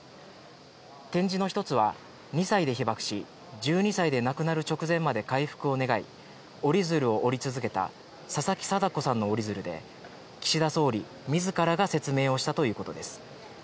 展示の１つは、２歳で被爆し、１２歳で亡くなる直前まで回復を願い、折り鶴を折り続けた佐々木禎子さんの折り鶴で、岸田総理みずからが説明をしたということです。